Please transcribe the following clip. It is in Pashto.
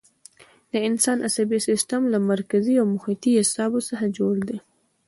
د انسان عصبي سیستم له مرکزي او محیطي اعصابو څخه جوړ دی.